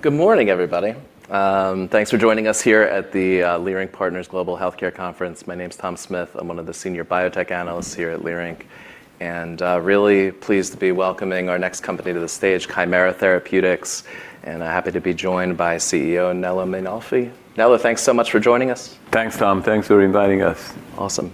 Good morning, everybody. Thanks for joining us here at the Leerink Partners Global Healthcare Conference. My name's Thomas Smith. I'm one of the senior biotech analysts here at Leerink, and really pleased to be welcoming our next company to the stage, Kymera Therapeutics. Happy to be joined by CEO, Nello Mainolfi. Nello, thanks so much for joining us. Thanks, Tom. Thanks for inviting us. Awesome.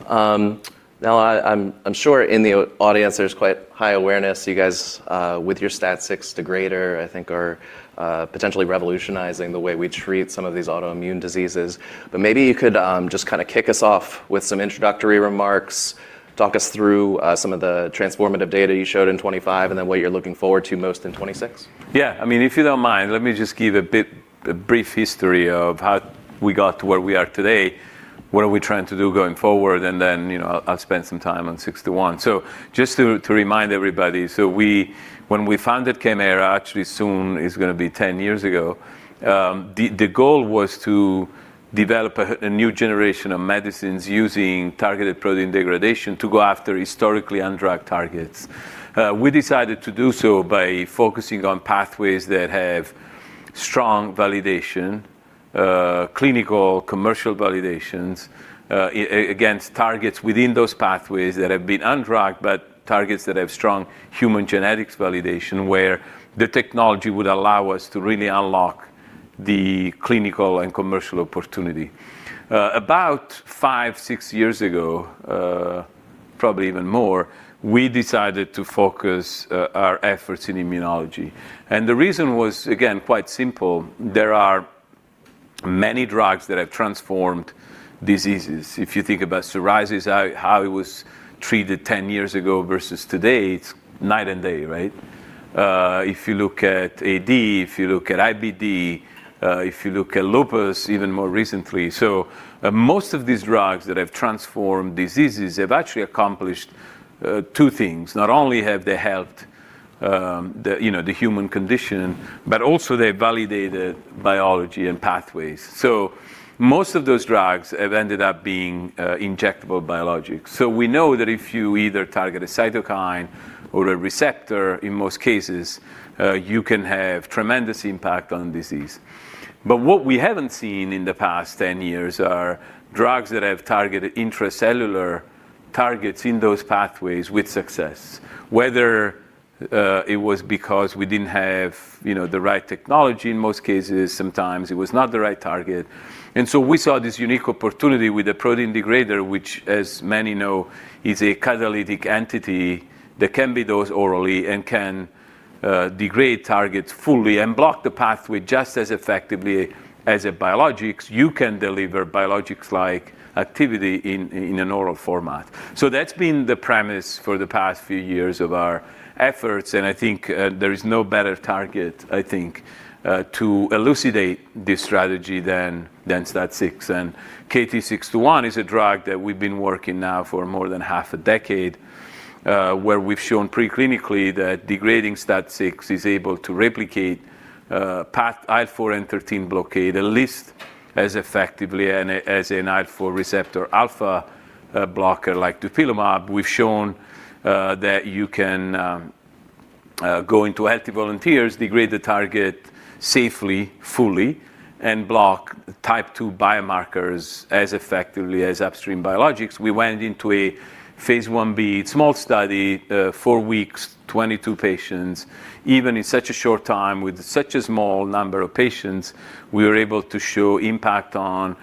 Nello, I'm sure in the audience there's quite high awareness. You guys with your STAT6 degrader, I think are potentially revolutionizing the way we treat some of these autoimmune diseases. Maybe you could just kind of kick us off with some introductory remarks, talk us through some of the transformative data you showed in 2025, and then what you're looking forward to most in 2026. Yeah. I mean, if you don't mind, let me just give a brief history of how we got to where we are today, what are we trying to do going forward, and then, you know, I'll spend some time on KT-621. Just to remind everybody, when we founded Kymera, actually soon it's gonna be 10 years ago, the goal was to develop a new generation of medicines using targeted protein degradation to go after historically undrugged targets. We decided to do so by focusing on pathways that have strong validation, clinical and commercial validations, against targets within those pathways that have been undrugged, but targets that have strong human genetics validation, where the technology would allow us to really unlock the clinical and commercial opportunity. About five, six years ago, probably even more, we decided to focus our efforts in immunology. The reason was, again, quite simple. There are many drugs that have transformed diseases. If you think about psoriasis, how it was treated 10 years ago versus today, it's night and day, right? If you look at AD, if you look at IBD, if you look at lupus even more recently. Most of these drugs that have transformed diseases have actually accomplished two things. Not only have they helped, you know, the human condition, but also they validated biology and pathways. Most of those drugs have ended up being injectable biologics. We know that if you either target a cytokine or a receptor, in most cases, you can have tremendous impact on disease. What we haven't seen in the past 10 years are drugs that have targeted intracellular targets in those pathways with success, whether it was because we didn't have, you know, the right technology in most cases, sometimes it was not the right target. We saw this unique opportunity with a protein degrader, which as many know, is a catalytic entity that can be dosed orally and can degrade targets fully and block the pathway just as effectively as a biologics. You can deliver biologics-like activity in an oral format. That's been the premise for the past few years of our efforts, and I think there is no better target, I think to elucidate this strategy than STAT6. KT-621 is a drug that we've been working now for more than half a decade, where we've shown pre-clinically that degrading STAT6 is able to replicate both IL-4 and IL-13 blockade at least as effectively as an IL-4 Rα blocker like dupilumab. We've shown that you can go into healthy volunteers, degrade the target safely, fully, and block Type 2 biomarkers as effectively as upstream biologics. We went into a phase I-B small study, four weeks, 22 patients. Even in such a short time with such a small number of patients, we were able to show impact on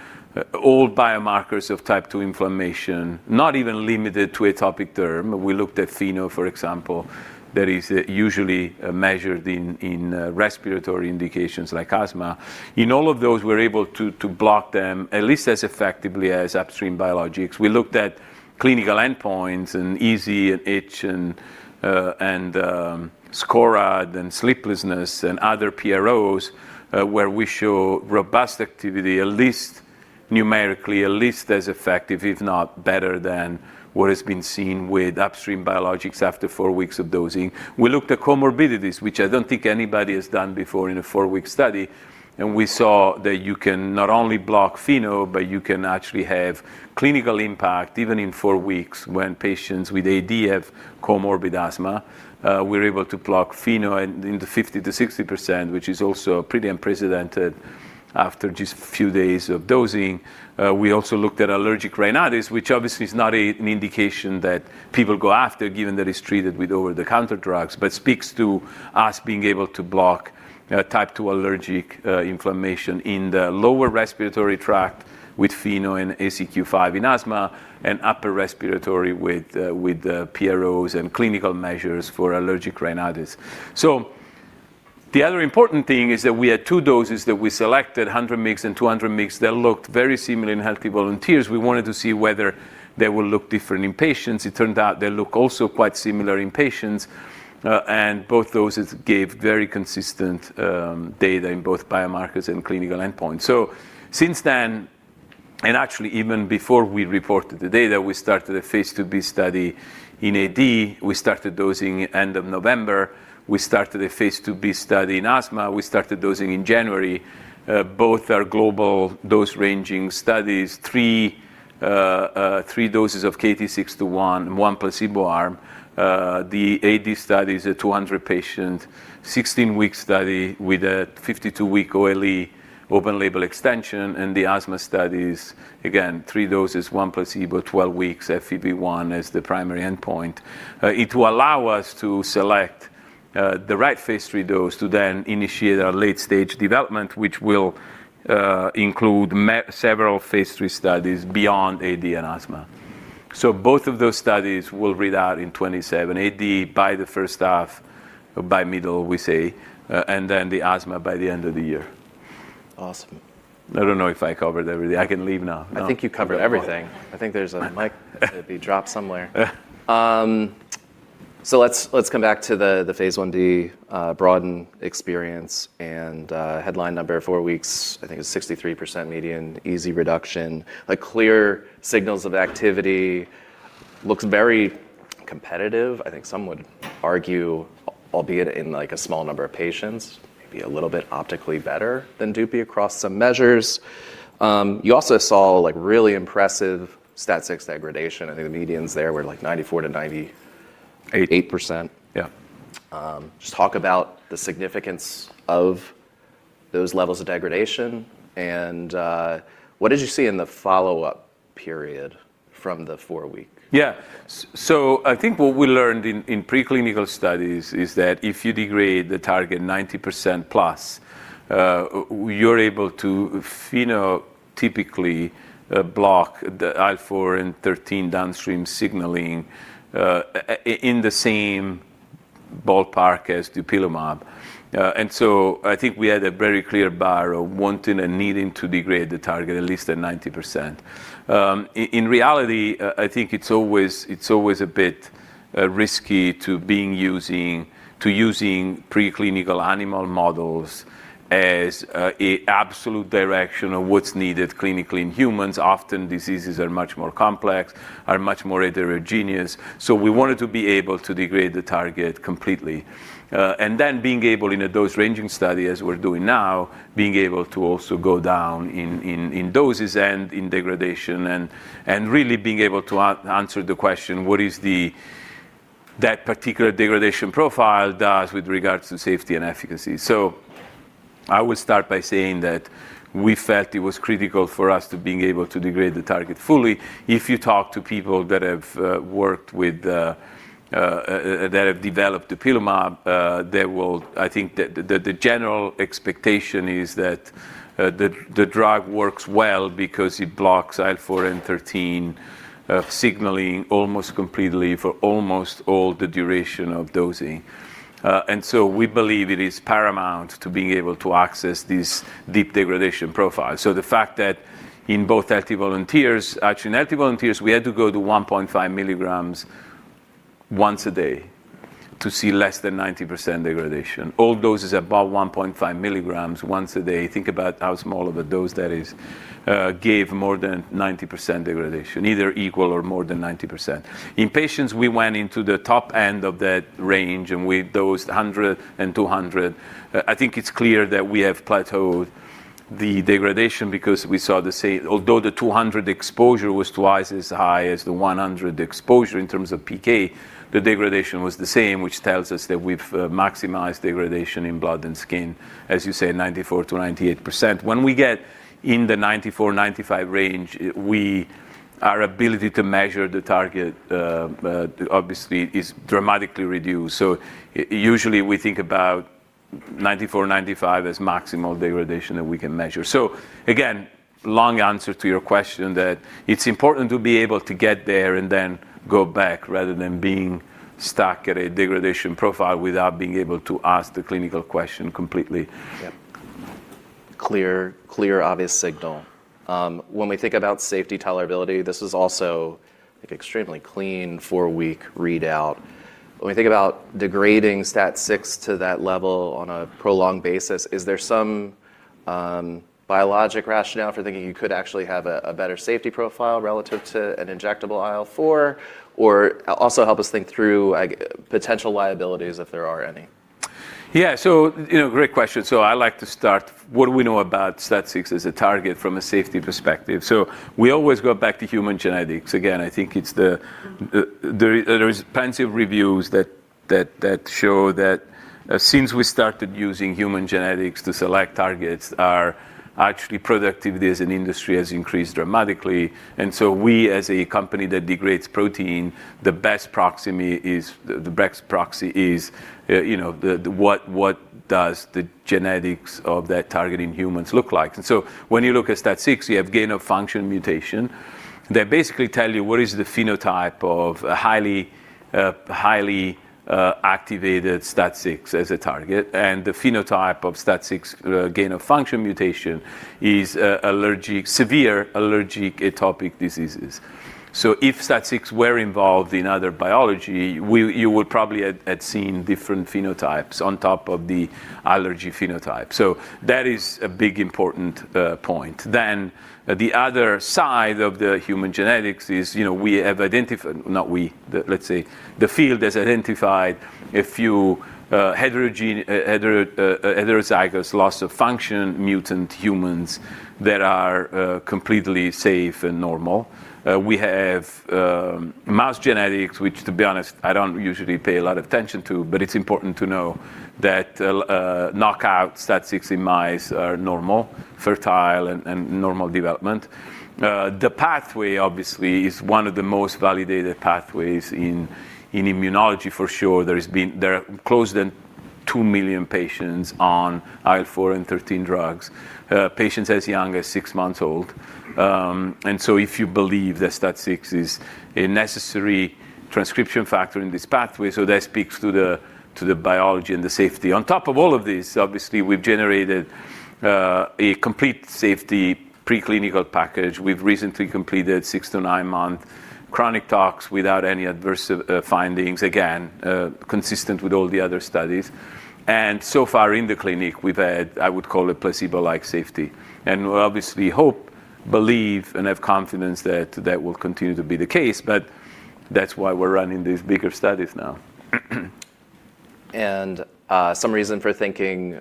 all biomarkers of Type 2 inflammation, not even limited to atopic derm. We looked at FeNO, for example, that is usually measured in respiratory indications like asthma. In all of those, we're able to block them at least as effectively as upstream biologics. We looked at clinical endpoints and EASI and itch and SCORAD and sleeplessness and other PROs, where we show robust activity, at least numerically, at least as effective, if not better than what has been seen with upstream biologics after four weeks of dosing. We looked at comorbidities, which I don't think anybody has done before in a four-week study, and we saw that you can not only block FeNO, but you can actually have clinical impact even in four weeks when patients with AD have comorbid asthma. We're able to block FeNO in the 50%-60%, which is also pretty unprecedented after just a few days of dosing. We also looked at allergic rhinitis, which obviously is not an indication that people go after given that it's treated with over-the-counter drugs, but speaks to us being able to block Type 2 allergic inflammation in the lower respiratory tract with FeNO and ACQ-5 in asthma and upper respiratory with PROs and clinical measures for allergic rhinitis. The other important thing is that we had two doses that we selected, 100 mg and 200 mg that looked very similar in healthy volunteers. We wanted to see whether they will look different in patients. It turned out they look also quite similar in patients, and both doses gave very consistent data in both biomarkers and clinical endpoints. Since then, actually even before we reported the data, we started a phase II-B study in AD. We started dosing end of November. We started a phase II-B study in asthma. We started dosing in January. Both are global dose ranging studies, three doses of KT-621, one placebo arm. The AD study is a 200-patient, 16-week study with a 52-week OLE, open label extension. The asthma study is, again, three doses, one placebo, 12 weeks, FEV1 is the primary endpoint. It will allow us to select the right phase III dose to then initiate our late stage development, which will include several phase III studies beyond AD and asthma. Both of those studies will read out in 2027. AD by the first half, by middle we say, and then the asthma by the end of the year. Awesome. I don't know if I covered everything. I can leave now. No? I think you covered everything. I think there's a mic that could be dropped somewhere. Let's come back to the phase I-B BroADen experience and headline number, four weeks. I think it's 63% median EASI reduction. Like clear signals of activity. Looks very competitive. I think some would argue, albeit in like a small number of patients, maybe a little bit optically better than dupilumab across some measures. You also saw like really impressive STAT6 degradation. I think the medians there were like 94 to 90. Eight. 98%. Yeah. Just talk about the significance of those levels of degradation and what did you see in the follow-up period from the four-week? Yeah. I think what we learned in preclinical studies is that if you degrade the target 90% plus, you're able to phenotypically block the IL-4 and IL-13 downstream signaling in the same ballpark as dupilumab. I think we had a very clear bar of wanting and needing to degrade the target at least at 90%. In reality, I think it's always a bit risky to using preclinical animal models as an absolute direction of what's needed clinically in humans. Often diseases are much more complex, are much more heterogeneous. We wanted to be able to degrade the target completely. Being able in a dose ranging study, as we're doing now, being able to also go down in doses and in degradation and really being able to answer the question, what is that particular degradation profile does with regards to safety and efficacy? I would start by saying that we felt it was critical for us to being able to degrade the target fully. If you talk to people that have worked with that have developed dupilumab, they will, I think the general expectation is that the drug works well because it blocks IL-4 and IL-13 signaling almost completely for almost all the duration of dosing. We believe it is paramount to being able to access this deep degradation profile. The fact that in both healthy volunteers. Actually, in healthy volunteers, we had to go to 1.5 mg once a day to see less than 90% degradation. All doses above 1.5 mg once a day, think about how small of a dose that is, gave more than 90% degradation, either equal or more than 90%. In patients, we went into the top end of that range, and we dosed 100 and 200. I think it's clear that we have plateaued the degradation because we saw the same. Although the 200 exposure was twice as high as the 100 exposure in terms of PK, the degradation was the same, which tells us that we've maximized degradation in blood and skin, as you say, 94%-98%. When we get in the 94-95 range, our ability to measure the target obviously is dramatically reduced. Usually we think about 94-95 as maximal degradation that we can measure. Again, long answer to your question that it's important to be able to get there and then go back rather than being stuck at a degradation profile without being able to ask the clinical question completely. Yeah. Clear obvious signal. When we think about safety tolerability, this is also like extremely clean four-week readout. When we think about degrading STAT6 to that level on a prolonged basis, is there some biologic rationale for thinking you could actually have a better safety profile relative to an injectable IL-4? Or also help us think through potential liabilities if there are any. Yeah. You know, great question. I like to start what do we know about STAT6 as a target from a safety perspective. We always go back to human genetics. Again, I think there is plenty of reviews that show that since we started using human genetics to select targets, our actual productivity as an industry has increased dramatically. We, as a company that degrades protein, the best proxy is you know, what does the genetics of that target in humans look like. When you look at STAT6, you have gain-of-function mutation. They basically tell you what is the phenotype of a highly activated STAT6 as a target, and the phenotype of STAT6 gain-of-function mutation is severe allergic atopic diseases. If STAT6 were involved in other biology, you would probably had seen different phenotypes on top of the allergy phenotype. That is a big important point. The other side of the human genetics is, you know, let's say the field has identified a few heterozygous loss-of-function mutant humans that are completely safe and normal. We have mouse genetics, which to be honest, I don't usually pay a lot of attention to, but it's important to know that knockouts STAT6 in mice are normal, fertile and normal development. The pathway obviously is one of the most validated pathways in immunology for sure. There are close to 2 million patients on IL-4 and 13 drugs. Patients as young as six months old. If you believe that STAT6 is a necessary transcription factor in this pathway, so that speaks to the biology and the safety. On top of all of this, obviously, we've generated a complete safety preclinical package. We've recently completed 6-9-month chronic toxicity without any adverse findings, again, consistent with all the other studies. So far in the clinic, we've had, I would call it placebo-like safety. We obviously hope, believe, and have confidence that that will continue to be the case, but that's why we're running these bigger studies now. Some reason for thinking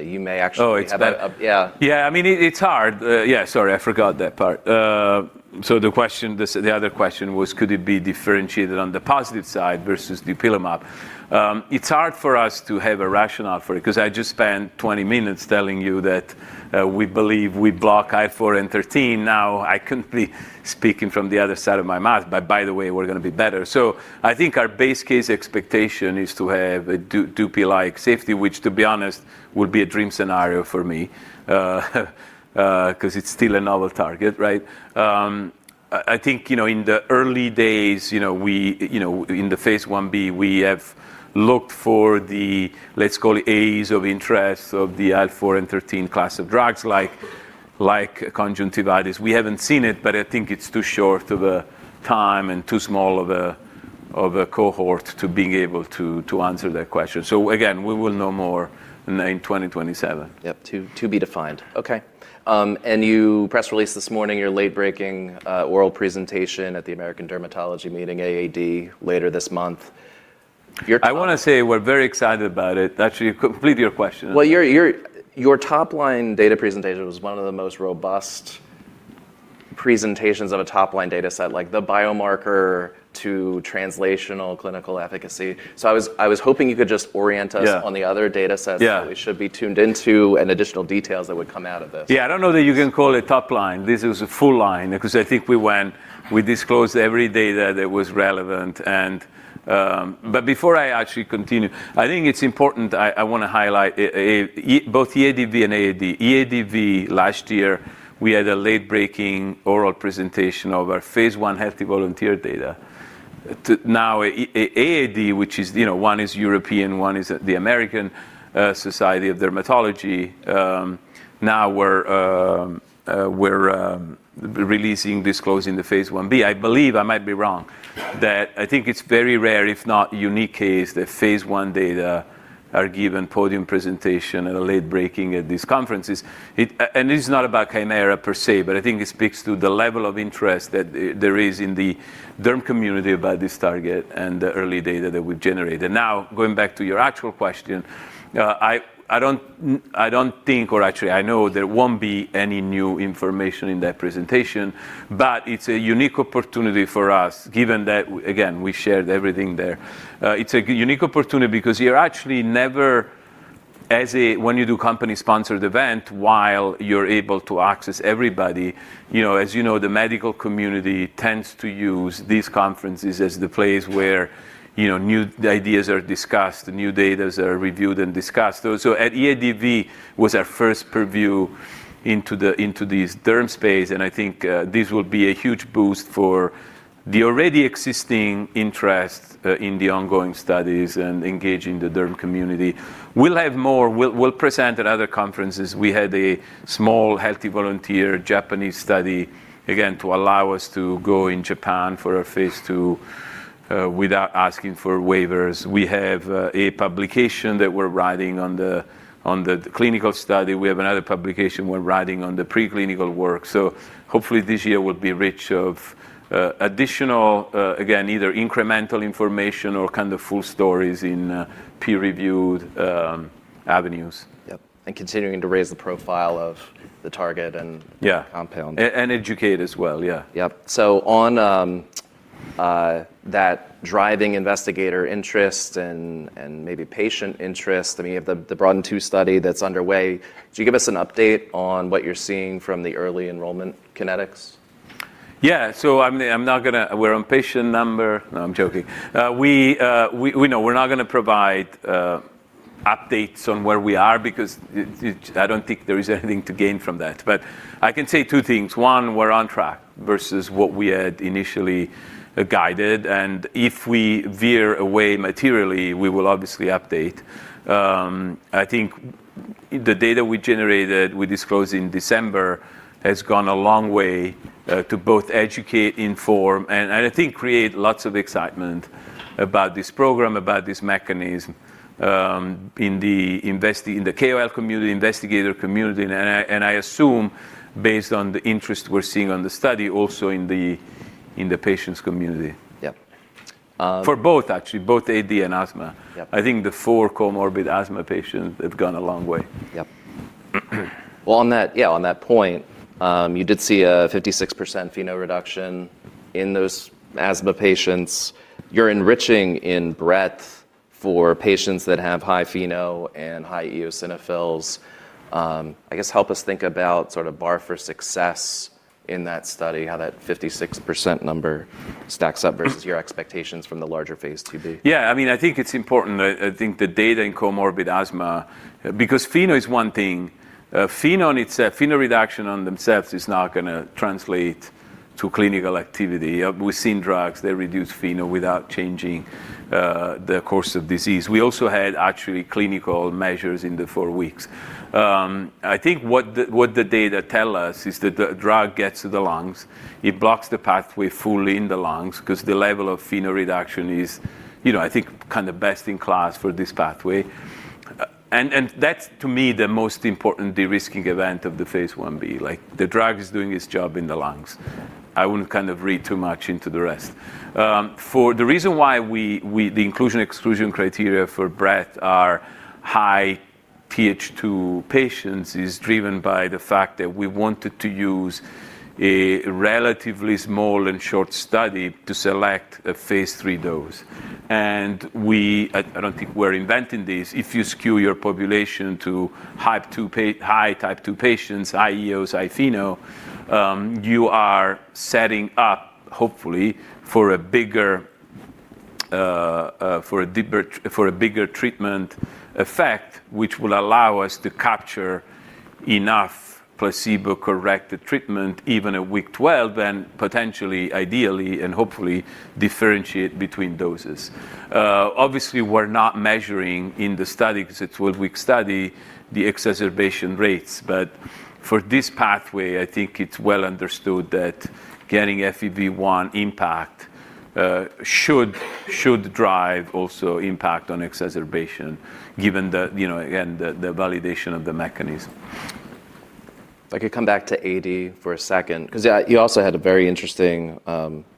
you may actually. Oh, it's better. Yeah. Yeah. I mean, it's hard. Sorry, I forgot that part. The other question was could it be differentiated on the positive side versus dupilumab. It's hard for us to have a rationale for it 'cause I just spent 20 minutes telling you that we believe we block IL-4 and IL-13. Now I couldn't be speaking from the other side of my mouth, but by the way, we're gonna be better. I think our base case expectation is to have a dupilumab-like safety, which, to be honest, would be a dream scenario for me, 'cause it's still a novel target, right? I think, you know, in the early days, you know, we, you know, in the phase I-B, we have looked for the, let's call it AEs of interest of the IL-4 and 13 class of drugs, like conjunctivitis. We haven't seen it, but I think it's too short of a time and too small of a cohort to being able to answer that question. Again, we will know more in 2027. Yep, to be defined. Okay. Your press release this morning, your late-breaking oral presentation at the American Academy of Dermatology Annual Meeting, AAD, later this month. Your. I wanna say we're very excited about it. Actually, complete your question. Well, your top line data presentation was one of the most robust presentations of a top-line data set, like the biomarker to translational clinical efficacy. I was hoping you could just orient us. Yeah. On the other data sets. Yeah. That we should be tuned into and additional details that would come out of this. Yeah, I don't know that you can call it top line. This is a full line because I think we disclosed every data that was relevant and. Before I actually continue, I think it's important I wanna highlight both EADV and AAD. EADV, last year, we had a late-breaking oral presentation of our phase I healthy volunteer data. Now, AAD, which is, you know, one is European, one is the American Academy of Dermatology, now we're disclosing the phase I-B. I believe, I might be wrong, that I think it's very rare, if not unique case, that phase I data are given podium presentation at a late-breaking at these conferences. This is not about Kymera per se, but I think it speaks to the level of interest that there is in the derm community about this target and the early data that we've generated. Now, going back to your actual question, I don't think, or actually I know there won't be any new information in that presentation, but it's a unique opportunity for us, given that, again, we shared everything there. It's a unique opportunity because you're actually never as a... When you do company-sponsored event, while you're able to access everybody, you know. As you know, the medical community tends to use these conferences as the place where new ideas are discussed, new data are reviewed and discussed. At EADV was our first preview into this derm space, and I think this will be a huge boost for the already existing interest in the ongoing studies and engaging the derm community. We'll have more. We'll present at other conferences. We had a small healthy volunteer Japanese study, again, to allow us to go in Japan for a phase II without asking for waivers. We have a publication that we're writing on the clinical study. We have another publication we're writing on the preclinical work. Hopefully, this year will be rich of additional, again, either incremental information or kind of full stories in peer-reviewed avenues. Yep, continuing to raise the profile of the target. Yeah. Compound. Educate as well. Yeah. Yep. On that driving investigator interest and maybe patient interest, I mean, you have the BROADEN2 study that's underway. Could you give us an update on what you're seeing from the early enrollment kinetics? I'm not gonna provide updates on where we are because it. I don't think there is anything to gain from that. I can say two things. One, we're on track versus what we had initially guided, and if we veer away materially, we will obviously update. I think the data we generated, we disclose in December, has gone a long way to both educate, inform, and I think create lots of excitement about this program, about this mechanism, in the investing in the KOL community, investigator community, and I assume based on the interest we're seeing on the study also in the patient community. Yep. For both, actually. Both AD and asthma. Yep. I think the four comorbid asthma patients have gone a long way. Yep. Well, on that, yeah, on that point, you did see a 56% FeNO reduction in those asthma patients. You're enriching in BREADTH for patients that have high FeNO and high eosinophils. I guess help us think about sort of bar for success in that study, how that 56% number stacks up versus your expectations from the larger phase II-B. Yeah, I mean, I think it's important. I think the data in comorbid asthma, because FeNO is one thing. FeNO reduction on themselves is not gonna translate to clinical activity. We've seen drugs that reduce FeNO without changing the course of disease. We also had actually clinical measures in the four weeks. I think what the data tell us is that the drug gets to the lungs, it blocks the pathway fully in the lungs 'cause the level of FeNO reduction is, you know, I think kind of best in class for this pathway. That's, to me, the most important de-risking event of the phase I-Bb. Like, the drug is doing its job in the lungs. I wouldn't kind of read too much into the rest. For the reason why we the inclusion/exclusion criteria for BREADTH are high Th2 patients is driven by the fact that we wanted to use a relatively small and short study to select a phase III dose. I don't think we're inventing this. If you skew your population to high Type 2 patients, high EOS, high FeNO, you are setting up, hopefully, for a bigger, for a deeper, for a bigger treatment effect, which will allow us to capture enough placebo-corrected treatment even at week 12, and potentially, ideally, and hopefully differentiate between doses. Obviously, we're not measuring in the study 'cause it's a 12-week study, the exacerbation rates. For this pathway, I think it's well understood that getting FEV1 impact should drive also impact on exacerbation given the, you know, again, the validation of the mechanism. If I could come back to AD for a second, 'cause yeah, you also had a very interesting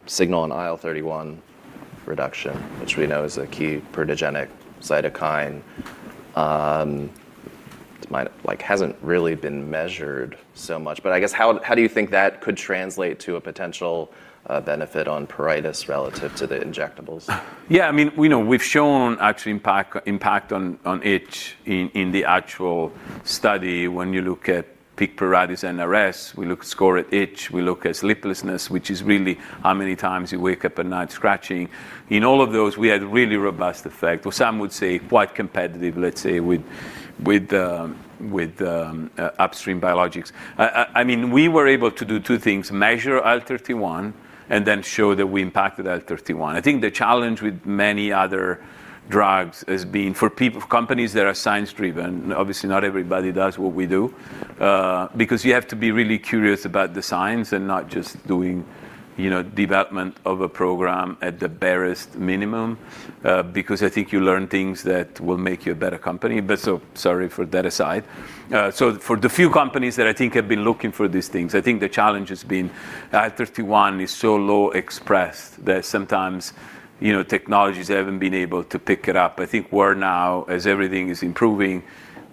signal on IL-31 reduction, which we know is a key pruritogenic cytokine. Like, it hasn't really been measured so much. I guess, how do you think that could translate to a potential benefit on pruritus relative to the injectables? Yeah, I mean, you know, we've shown actually impact on itch in the actual study when you look at Peak Pruritus NRS. We look to SCORAD at itch, we look at sleeplessness, which is really how many times you wake up at night scratching. In all of those, we had really robust effect or some would say quite competitive, let's say, with upstream biologics. I mean, we were able to do two things, measure IL-31 and then show that we impacted IL-31. I think the challenge with many other drugs has been for companies that are science driven, obviously not everybody does what we do, because you have to be really curious about the science and not just doing, you know, development of a program at the barest minimum, because I think you learn things that will make you a better company. Sorry for that aside. For the few companies that I think have been looking for these things, I think the challenge has been IL-31 is so low expressed that sometimes, you know, technologies haven't been able to pick it up. I think we're now, as everything is improving,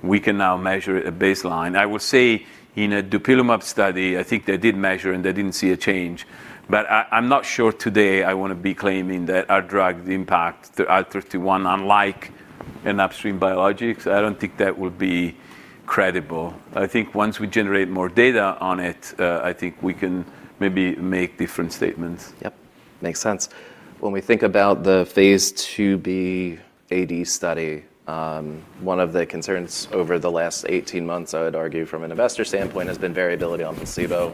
we can now measure a baseline. I will say in a dupilumab study, I think they did measure, and they didn't see a change. I'm not sure today I wanna be claiming that our drug impacts the IL-31 unlike an upstream biologics. I don't think that would be credible. I think once we generate more data on it, I think we can maybe make different statements. Yep, makes sense. When we think about the phase II-B AD study, one of the concerns over the last 18 months, I would argue from an investor standpoint, has been variability on placebo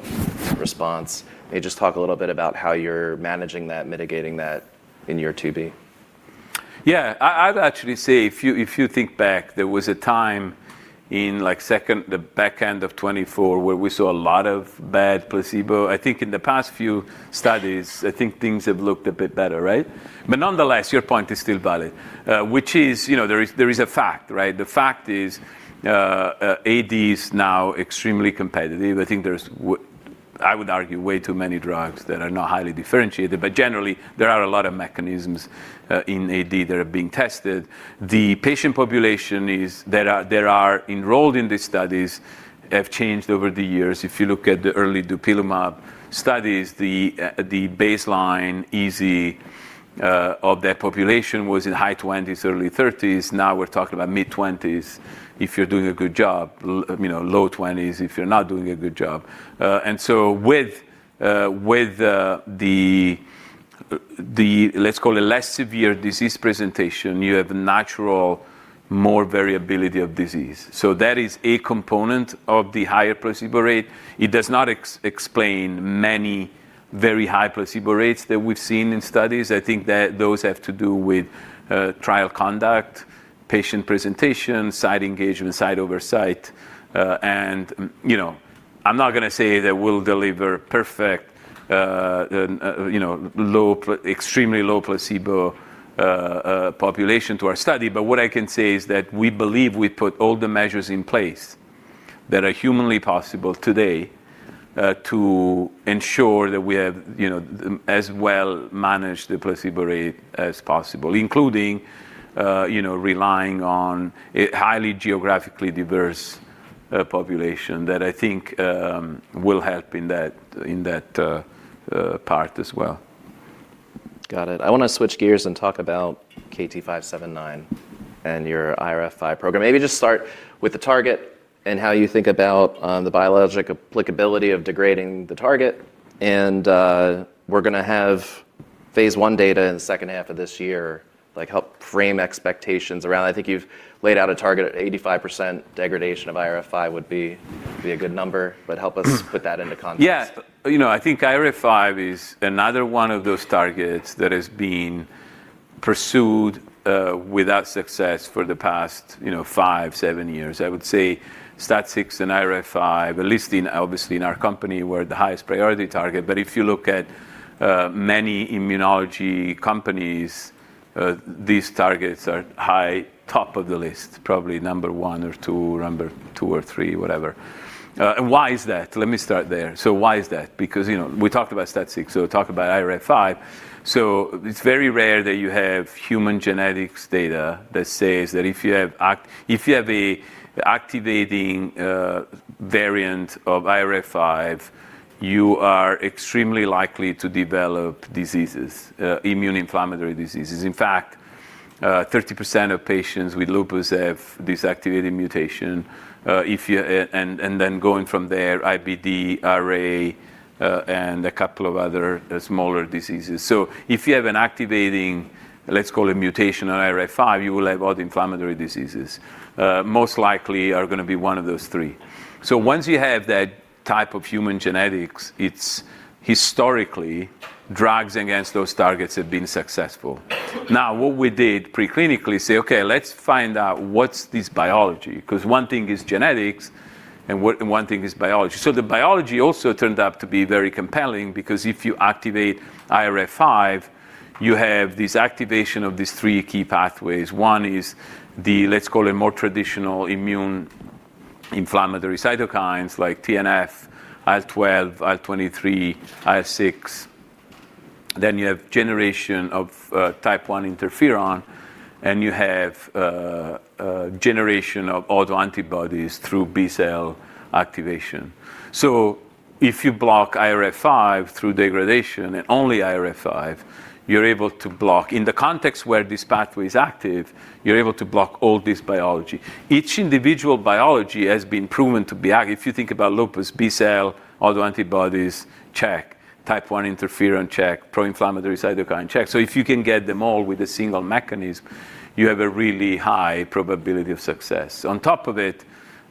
response. Maybe just talk a little bit about how you're managing that, mitigating that in your IIb? Yeah. I'd actually say if you think back, there was a time in, like, the back end of 2024 where we saw a lot of bad placebo. I think in the past few studies, I think things have looked a bit better, right? Nonetheless, your point is still valid. Which is, you know, there is a fact, right? The fact is, AD is now extremely competitive. I think there's. I would argue way too many drugs that are not highly differentiated. Generally, there are a lot of mechanisms in AD that are being tested. The patient population that are enrolled in these studies have changed over the years. If you look at the early dupilumab studies, the baseline EASI of that population was in high twenties, early thirties. Now we're talking about mid-20s% if you're doing a good job. You know, low 20s% if you're not doing a good job. With, let's call it, the less severe disease presentation, you have naturally more variability of disease. That is a component of the higher placebo rate. It does not explain many very high placebo rates that we've seen in studies. I think that those have to do with trial conduct, patient presentation, site engagement, site oversight. You know, I'm not gonna say that we'll deliver perfect, you know, extremely low placebo population to our study. What I can say is that we believe we put all the measures in place that are humanly possible today, to ensure that we have, you know, as well managed the placebo rate as possible, including, you know, relying on a highly geographically diverse population that I think will help in that part as well. Got it. I wanna switch gears and talk about KT-579 and your IRF5 program. Maybe just start with the target and how you think about the biologic applicability of degrading the target, and we're gonna have phase 1 data in the second half of this year, like help frame expectations around. I think you've laid out a target at 85% degradation of IRF5 would be a good number, but help us put that into context. Yeah. You know, I think IRF5 is another one of those targets that is being pursued without success for the past, you know, five-seven years. I would say STAT6 and IRF5, at least obviously in our company, were the highest priority target. If you look at many immunology companies, these targets are high top of the list, probably number one or two, number two or three, whatever. Why is that? Let me start there. Why is that? Because, you know, we talked about STAT6, so we'll talk about IRF5. It's very rare that you have human genetics data that says that if you have an activating variant of IRF5, you are extremely likely to develop diseases, immune inflammatory diseases. In fact, 30% of patients with lupus have this activating mutation. Going from there, IBD, RA, and a couple of other smaller diseases. If you have an activating, let's call it mutation on IRF5, you will have auto-inflammatory diseases, most likely are gonna be one of those three. Once you have that Type of human genetics, it's historically drugs against those targets have been successful. What we did pre-clinically, say, okay, let's find out what's this biology, because one thing is genetics and one thing is biology. The biology also turned out to be very compelling because if you activate IRF5, you have this activation of these three key pathways. One is the, let's call it more traditional immune inflammatory cytokines like TNF, IL-12, IL-23, IL-6. You have generation of Type I interferon, and you have generation of autoantibodies through B-cell activation. If you block IRF5 through degradation, and only IRF5, you're able to block. In the context where this pathway is active, you're able to block all this biology. Each individual biology has been proven to be. If you think about lupus, B-cell, autoantibodies, check. Type I interferon, check. Pro-inflammatory cytokine, check. If you can get them all with a single mechanism, you have a really high probability of success. On top of it,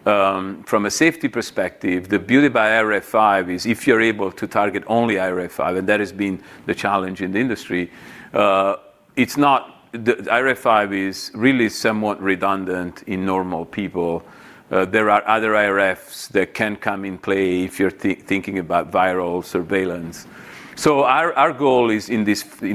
from a safety perspective, the beauty of IRF5 is if you're able to target only IRF5, and that has been the challenge in the industry. It's not. The IRF5 is really somewhat redundant in normal people. There are other IRFs that can come into play if you're thinking about viral surveillance. Our goal is in the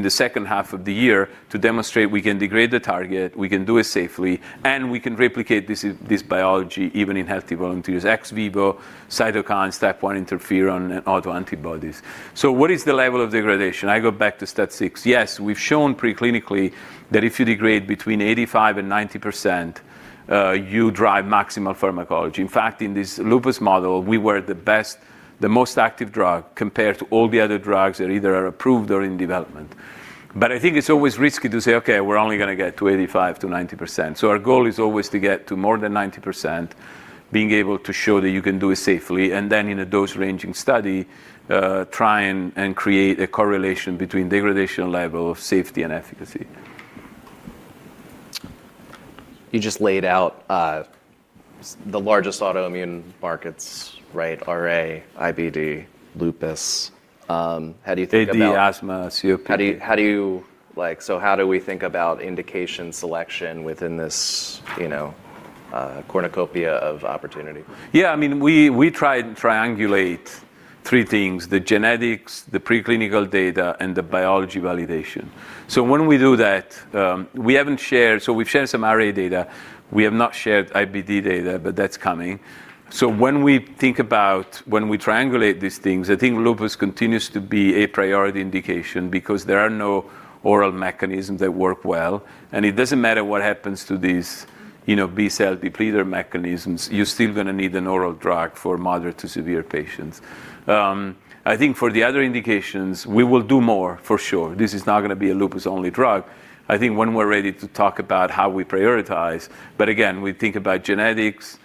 second half of the year to demonstrate we can degrade the target, we can do it safely, and we can replicate this biology even in healthy volunteers, ex vivo, cytokines, Type I interferon, and autoantibodies. What is the level of degradation? I go back to STAT6. Yes, we've shown preclinically that if you degrade between 85%-90%, you drive maximal pharmacology. In fact, in this lupus model, we were the best, the most active drug compared to all the other drugs that either are approved or in development. I think it's always risky to say, "Okay, we're only gonna get to 85%-90%." Our goal is always to get to more than 90%, being able to show that you can do it safely, and then in a dose-ranging study, try and create a correlation between degradation level of safety and efficacy. You just laid out the largest autoimmune markets, right? RA, IBD, lupus. How do you think about. AD, asthma, COPD. How do you like how do we think about indication selection within this, you know, cornucopia of opportunity? Yeah. I mean, we try and triangulate three things, the genetics, the pre-clinical data, and the biology validation. When we do that, we've shared some RA data. We have not shared IBD data, but that's coming. When we triangulate these things, I think lupus continues to be a priority indication because there are no oral mechanisms that work well, and it doesn't matter what happens to these, you know, B-cell depleter mechanisms. You're still gonna need an oral drug for moderate to severe patients. I think for the other indications, we will do more, for sure. This is not gonna be a lupus-only drug. I think when we're ready to talk about how we prioritize, but again, we think about genetics,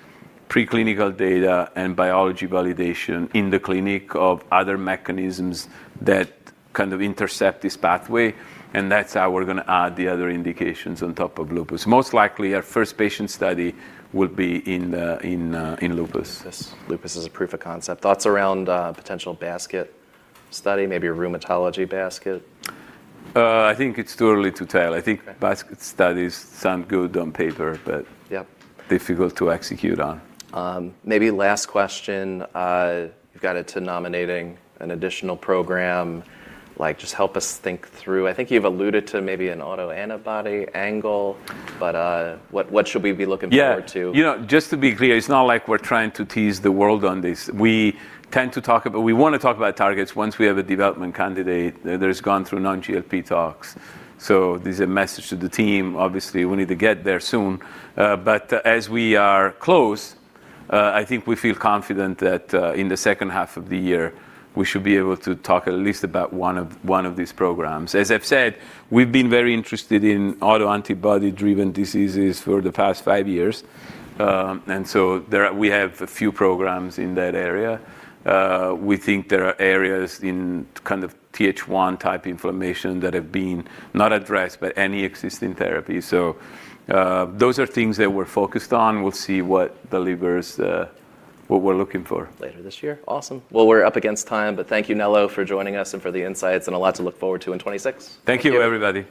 pre-clinical data, and biology validation in the clinic of other mechanisms that kind of intercept this pathway, and that's how we're gonna add the other indications on top of lupus. Most likely, our first patient study will be in lupus. Lupus. Lupus is a proof of concept. Thoughts around a potential basket study, maybe a rheumatology basket? I think it's too early to tell. Okay. I think basket studies sound good on paper. Yep. Difficult to execute on. Maybe last question. You got into nominating an additional program, like, just help us think through. I think you've alluded to maybe an autoantibody angle, but what should we be looking forward to? Yeah. You know, just to be clear, it's not like we're trying to tease the world on this. We wanna talk about targets once we have a development candidate that has gone through non-GLP tox. This is a message to the team. Obviously, we need to get there soon. But as we are close, I think we feel confident that in the second half of the year, we should be able to talk at least about one of these programs. As I've said, we've been very interested in autoantibody-driven diseases for the past five years, and so we have a few programs in that area. We think there are areas in kind of Th1-type inflammation that have been not addressed by any existing therapy. Those are things that we're focused on. We'll see what delivers, what we're looking for. Later this year. Awesome. Well, we're up against time, but thank you, Nello, for joining us and for the insights and a lot to look forward to in 2026. Thank you, everybody.